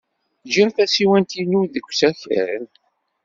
Jjiɣ tasiwant-inu deg usakal.